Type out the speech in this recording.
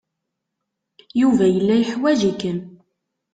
Yuba yella yeḥwaj-ikem.